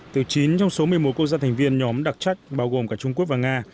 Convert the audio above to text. từ chín trong số một mươi một quốc gia thành viên nhóm đặc trách bao gồm cả trung quốc và nga